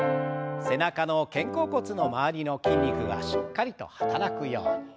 背中の肩甲骨の周りの筋肉がしっかりと働くように。